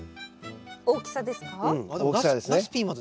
大きさですか？